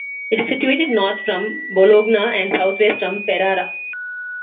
It is situated north from Bologna, and southwest from Ferrara.